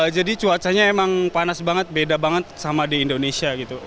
jadi cuacanya emang panas banget beda banget sama di indonesia